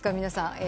皆さん。